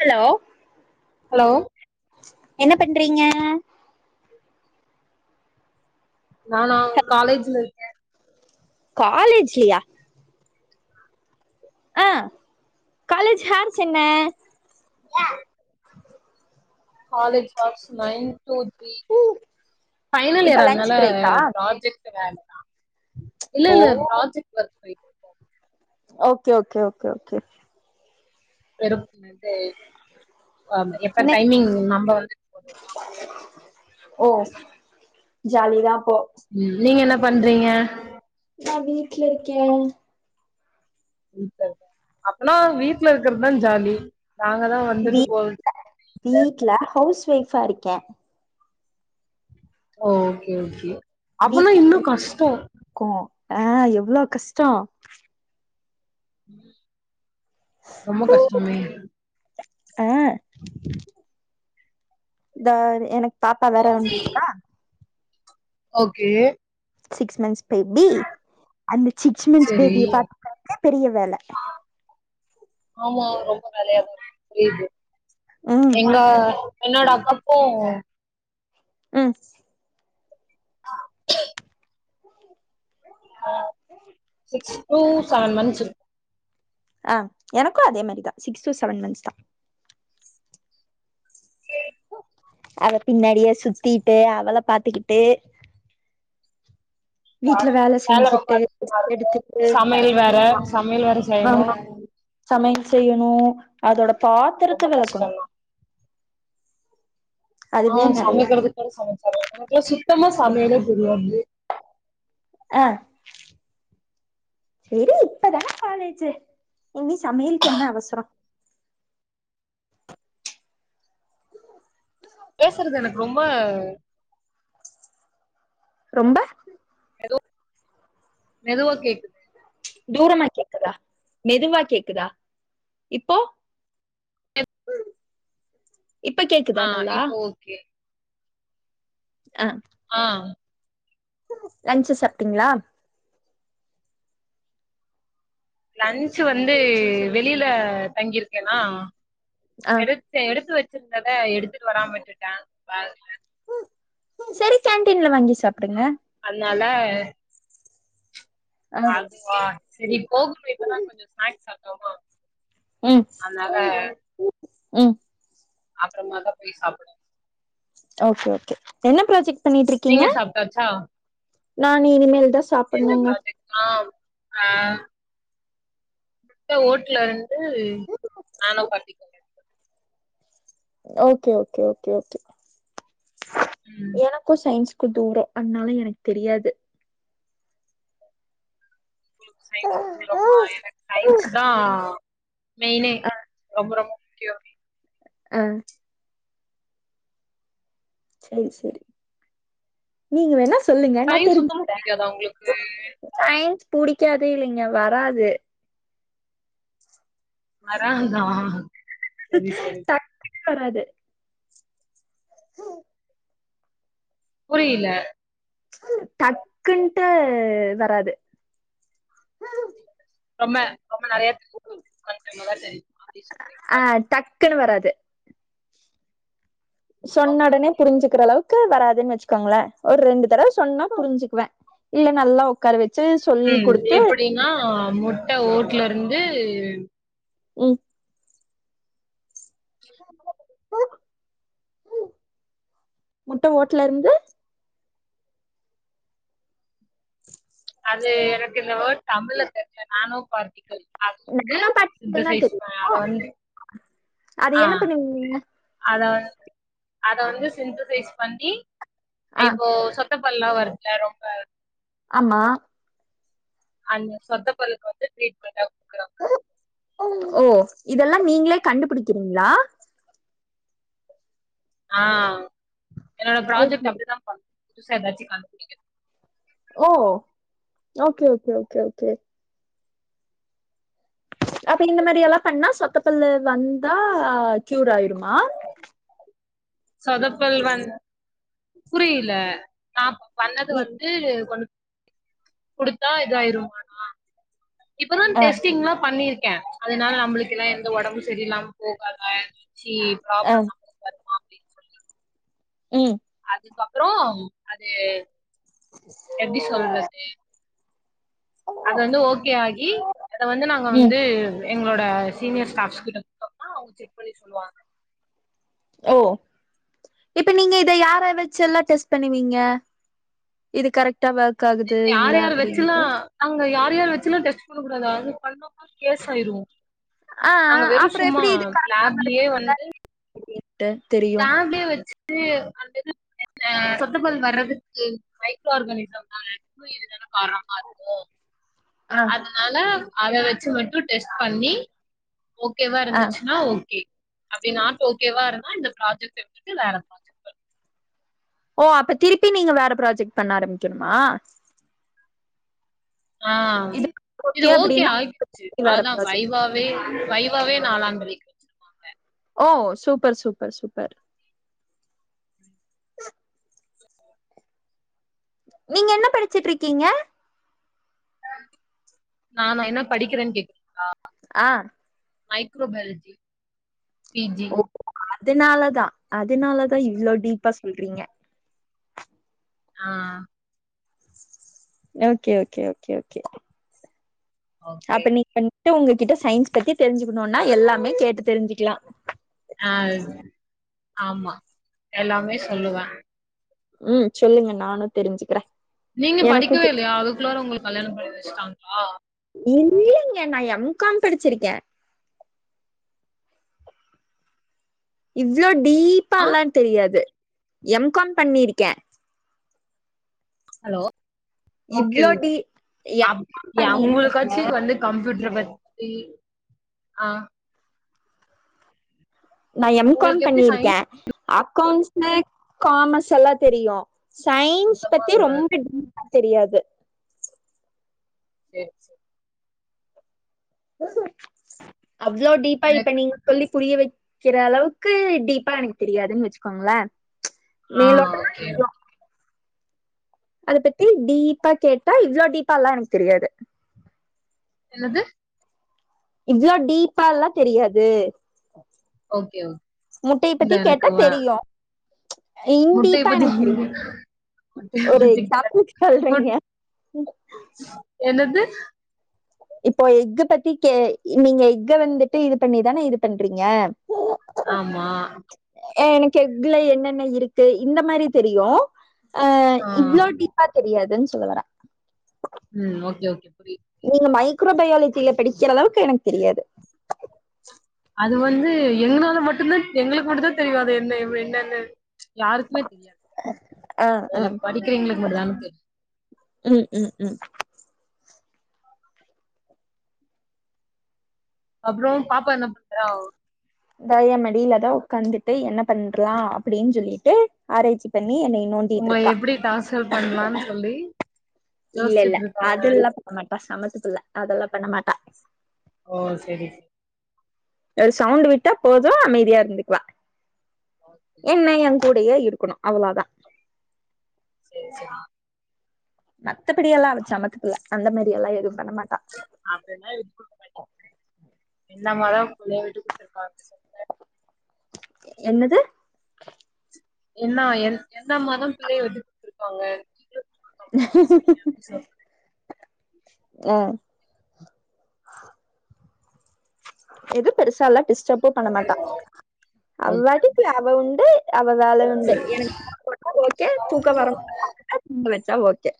Hello hello என்ன பண்றீங்க நானா காலேஜ்ல விட் காலேஜ்லியா ஆ கலேஜ் ஹார்ஸ் என்ன [unintelligible] college hours nine two three final இப்ப இயர் லன்ச் அன்னால பிரேக்கா ப்ராஜெக்ட் இல்ல [unintelligible] இல்ல ஓ இல்ல project work [unintelligible] okay okay okay okay வேறும் வந்ட்டு எப்ப டைமிங் நம்ப வந்து ஓ ஜாலி தா ம் நீங்க என்னப் பண்றீங்க நா வீட்டு்ல இருக்கே அப்பனா வீட்டுல இருக்கர்து தா ஜாலி நாங்கதா வீ வந்துட்டு போறது [inaudible] வீட்டு ல ஹவுஸ் வைஃபா இருக்கே ஓகே ஓகே அப்னா வீட்ல இன்னு கஷ்டோ கோ ஆ எவ்ளோ கஷ்டோ ரொம்ப கஷ்டமே ஆஹ் தா எனக்கு பாப்பா வேற ஒண்ணு இருக்கா ஓகே சிக்ஸ் மந்ஸ் பேபி அந்த சிக்ஸ் மன்ஸ் செரி பேபிய பாத்துக்கதே பெரிய வேல ஆமா ரொம்ப வேலயாதா இருக்கும் புரியுது ம் எங்க என்னோட அக்காக்கும் ம் சிக்ஸ் டு செவன் மந்த்ஸ் இருக்கு ஆ எனக்கு அதே மாரி தா சிக்ஸ் டு செவன் மந்த்ஸ் தா அத பின்னாடியே சுத்திட்டு அவள பாத்துக்கிட்டு வீட்ல வேல ரொம்ப செஞ்சுட்டு அதிகமா இருக்கு எடுத்துட்டு சமையல் வேற சமையல் வேற செய்யணு ஆமா சமயல் செய்யணு அதோட பாத்திரத்த ரொம்ப வெளக்கணு கஷ்டந்தா ஆ அதுவே நெறைய சமைக்கறது கூட சமச்சரலாம் எனக்குல்லா சுத்தமா சமயலே தெரியாது அ சரி இப்ப தானே காலேஜு இனி சமயல்க்கு என்ன அவசரம் பேசுறது எனக்கு ரொம்ப ரொம்ப ஏதோ மெதுவா கேக்குது தூரமா கேக் க்தா மெதுவா கேக்குதா இப்போ இப்ப கேக்குதா ஆ நல்லா இப்போ ஓகே ஆ ஆஹ் லன்ஞ்ச் சாப்ட்டீங்களா லன்ஞ்சு வந்து வெளில தங்கிருக்கேனா ஆ எடுத்தே எடுத்து வச்சு வச்சிருந்தத எடுத்ட்டு வராம விட்டுட்ட பேக்ல சரி கேன்டீன்ல வாங்கி சா அதனால ஆ ஆ அதுவா சரி போதும் இப்பதா கொஞ்சம் ஸ்னாக்ஸ் சாப் உம் உம் அப்பறமா தா போய் சாப்புட்ணும் ஓகே ஓகே என்ன ப்ராஜெக்ட் நீங்க சாப்ட்டாச்சா நானு இனி மேல் என்ன ப்ராஜெக்ட்னா ஆ முட்ட ஓட்லருந்து நானோ பார்ட்டிகள் [unintelligible] ஓகே ஓகே ஓகே ஓகே ம் எனக்கும் சைன்ஸ் க்கு தூரோ அதனால எனக்கு தெரியாது உங்களுக்கு சயின்ஸ்க்கு தூரமா எனக்கு சயின்ஸ் தா மெயின்னே ஆ ரொம்ப ரொம்ப [unintelligible] ஆ செரி செரி நீங்க வேணா சொல்லுங்க நா சயின்ஸ் சுத்தமா புடிக்காதா உங்களுக்கு தெரிஞ்சுக்கறே புடிக்காது இல்லைங்க வராது வரதா டக் வராது புரியில டக்குன்ட்டு வராது ரொம்ப ரொம்ப நெறய [unintelligible] அப்டின்னு ஆ சொல்றிங்களாங்க டக்குன்னு ம் ஓகே சொன்னொடனே ஓகே புரிஞ்சுக்கிறளவ் க்கு வராதுன்னு வச்சுக்கோங்களே ஒரு ரெண்டு தடவ சொன்னா புரிஞ்சுக்குவே இல்ல நல்லா உக்கார வச் உம் எப்புடின்னா முட் ட்ட ஓட்லருந்து ம் முட்ட ஓட்லருந்து அது எனக்கு இந்த வோட் தம்புளர் தெச்ச நானு பார்ட்டிக்கல் அது வந்து நானோ பார்ட்டிகள்ன்னா சிந்தசைஸ் தெரியு அத வந்து அது ஆ என்ன பண்ணீங்க நீங்க அத வந்து அத வந்து சிந்தசைஸ் பண்ணி ஆ இப்போ சொத் சொத்தபல்லா வருதுல ரொம்ப ஆமா அந்த சொத்த பல்லுக்கு வந்து ட்ரீட்மெண்டா குடுக்றாங்க ஓ இதெல்லா நீங்ளே கண்டுபிடிக்றீங்ளா ஆஹ் என்னோட ப்ராஜெக்ட் ஓகே அப்டிதா பண்ண புதுசா எதாச்சி கண்டுபுடிக ஓ ஓகே ஓகே ஓகே ஓகே அப்ப இந்த மாரி எல்லா பண்ணா சொத்த பல்ல வந்தா கியூர் ஆயிருமா சொதபல்வன் புரில நா பண்ணது ம் வந்து கொண்டு குடுத்தா இதாயிரு இப்பதா ஆ டெஸ்டிங்லா பண்ணிரு க்கே அதுனால நம்ளுக்குலா எந்த ஒடம்பு செரியில்லாம போகாதா சி ஆ ப்ராப்ளம் நா வரு உம் அதுகப்றோ அது எப்டி சொல்றது அது வந்து ஓகே ஆகி அத வந்து நாங்க ம் வந்து எங்ளோட சீனியர் ஸ்டாப்ஸ் கிட்ட குடுத்தோனா அவுங்க செக் பண்ணி சொல்வாங்க ஓ இப்ப நீங்க இத யார வச்சல்லாம் டெஸ்ட் பண்ணுவீங்க இது கரெக்ட் யார் யார வச்சுலா அங்க யார் யார் வச்சுலா டெஸ்ட் குடுக்க எதாவது பண்ணோம்னா கேஸ் ஆய்ரூ ஆ நாங்க வெறு அப்றோ சும்மா எப்டி இது ப்ளான்லயே வந்து த தெரியு வந்து அந்த இது ஆஹ் சொத்த பல் வர்றதுக்கு மைக்ரோ ஆர்கானிசம் தான அப்போ இது தான காரணமா இருக்கோ ஆ அதனால அத வச்சு மட்டும் டெஸ்ட் பண்ணி ஓகேவா ஆ இருந்துச்சுன்னா ஓகே அப்படின் நாட் ஓகேவா இருந்தா இந்த ப்ராஜெக்ட் விட்டுட்டு வேற ப்ராஜெக்ட் போய் ஓ அப்ப திருப்பி நீங்க வேற ப்ராஜெக்ட் பண்ண ஆரம்பிக்கணுமா ஆஹ் இது இது ஓகே அப்டின்னா ஆகிடுச்சு வேற அதுதான் ப்ராஜெக்ட் வைவாவே வைவாவே நாளான்றி ஓ சூ ப்பர் சூ ப்பர் சூப்பர் நீங்க என்ன படிச்சுட்டு இருக்கீங்க நானா என்ன படிக்கிறேன் கேக்குறீங்களா ஆ மைக்ரோ பயாலஜி பி ஜி ஓ அதனாலதா அதனாலதான் இவ்ளோ டீப்பா சொல்றீங்க ஆஹ் okay okay okay okay okay. அப்ப நீ பண் உங்ககிட்ட சயின்ஸ் பத்தி தெரிஞ்சுக்கணும்னா எல்லாமே கேட்டு தெரிஞ்சுசிக்கலா அஹ் ஆமா எல்லாமே சொல்லுவே உம் சொல்லுங்க நானும் தெரிஞ்சுக்கிறேன் நீங்க படிக்கவே இல்லயா அதுக்குள்ளார உங்களுக்கு கல்யாணம் பன்னி வச்சுட்டாங்களா இல்லைங்க நா எம் காம் படிச்சிருக்கே இவ்ளோ ஆ டீப்பால்லாம தெரியாது எம் காம் பண்ணிருக்கே ஹலோ ஓகே ஓகே அ எம்காம் பண்ணியிருக்கேங்க. அவங்கக்காச்சி வந்து கம்ப்யூட்டரை பத்தி ஆஹ் நா எம் காம் உங்களுக்கு எப்படி பண்ணிருக்கே சயின்ஸ் அக்கவுண்ட்ஸ் காமர்ஸ் எல்லா தெரியு சயின்ஸ் சுத்தமா பத்தி வராது. ரொம்ப டீப்பா தெரியாது செர செர் குசோ அவ்ளோ டீப்பா இப்ப எனக்கு நீங்க சொல்லி புரிய வைக்கிற அளவுக்கு டீப்பா எனக்கு தெரியாதுன்னு வச்சுக்கோங்கள ஆ மேலோட்ட ஓகே. தெரியு அதை பத்தி டீப்பா கேட்டா இவ்ளோ டீப்பால்லா எனக்கு தெரியாது என்னது இவ்ளோ டீப்பால்லா தெரியாது ஓகே ஓகே. முட்டையை இல்ல பத்தி கேட்டா எனக்கு வ தெரியு முட்டைய இண்டிப்பா பத்தி எனக்கு தெரியாது முட்டைய ஒரு பத்தி கேட்டா எக்ஸாம்பிள் சொல்றீங்க குட் என்னது இப்போ எக்கு பத்தி நீங்க எக்க வந்துட்டு இது பண்ணிதானே இது பண்றீங்க ஆமா எனக்கு எக்ல என்னென்ன இருக்கு இந்த மாரி தெரியும் ஆஹ் ஆ. இவ்ளோ டீப்பா தெரியாது வரா ம் ஓகே ஓகே புரியுது. நீங்க மைக் ஆக்ரோபயாலஜில படிக்கிற அளவுக்கு எனக்கு தெரியாது அது வந்து எங்களால மட்டு்தா எங்களுக்கு மட்டும் தா தெரியும் அது என்ன என்னன்ன யாருக்குமே தெரியாது ஆஹ் அதுல ஆஹ் படிக்கிற எங்களுக்கு மட்டும்தான தெரியும் உம் உம் உம் அப்றோம் பாப்பா என்ன பண்ணறா இந்தா ஏ மடியிலதா உட்காந்துட்டு என்ன பண்ற்லாம் அப்டின்னு சொல்லிட்டு ஆராய்ச்சி பண்ணி ணி என்ன நோண்டிட்டு உங்கள இருக்கா எப்படி டார்ச்சர் பண்ணலான்னு சொல்லி இல்ல இல்ல யோசிச்சுட்டு இருக்காங்க. அதுல்லாம் பண்ண மாட்டா சமத்து அதெல்லாம் பண்ண மாட்டா ஓ சரி ச ஒரு சவுண்ட் விட்டா போதும் அமைதியா இருந்துக்குவா ஓகே. என்ன எ கூடையே இருக்கணும் அவ்வளதா செரி செரி மத்தபடி எல்லா அவ சமத்து புள்ள அந்த மாரி எல்லாம் எதுவும் அப்டிப்னா இப்ப படி [unintelligible] என்ன அம்மாதா புள்ளைய விட்டு குடுத்தருக்காங்க சொல்லுங்க என்னது என்ன எந்த அம்மாதா பிள்ளைய விட்டு குடுத்துருக்காங்க விட்டு குடுக்காம தான ஹீம் ஹூ பேசுறீங்க. க் அப்டி சொல்லுங்க. ம் ஆ எது பெருசால்லா டிஸ்டர்பும் பண்ண மாட்டா அவ ஓகே, பாட்டுக்கு ஓகே. அவ உண்டு அவ வேல உண்டு எனக்கு சோறு போட்டா ஓகே தூக்கம் வரம்போது தூங்க வச்சா ஓகே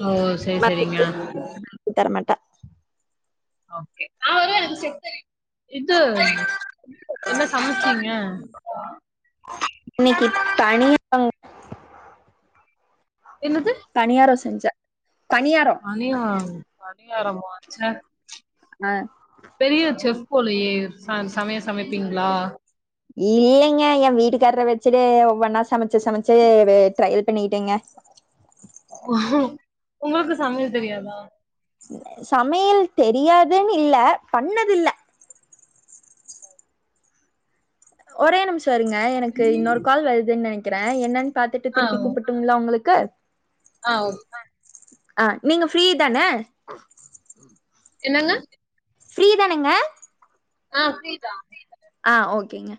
ஓ! சரி, சரிங்க. மத்தபடி [unintelligible] தரமாட்டா ஓகே இது என்ன சமைச்சீங்க இன்னைக்கி தணிய பனியாரும் செஞ்ச பனியாரோ பனியா பனியாரம்மா ச்ச ஆ பெரிய செஃப் போலயே ச சமய சமைப்பீங்களா இல்லீங்க எ வீட்டுக்காரர வெச்சுட்டு ஒவ்வொன்னா சமைச்சு சமைச்சு ட்ரையல் பண்ணிட்டேங்க உங்ளுக்கு சமையல் தெரியாதா சமையல் தெரியாதுன்னு இல்ல பண்ணதில்ல ஒரே நிமிஷ இருங்க எனக்கு இன்னொரு கால் வருதுன்னு நெனைக்கிறே என்னன்னு பாத்துட்டு ஆ, திருப்பி கூப்பிட்டுங்ளா உங்களுக் கு ஆ ஓ ஆ நீங்க ஃப்ரீ தான என்னங்க ஃப்ரீதானுங்க ஆ ஃப்ரி தா ஆ ஓகேங்க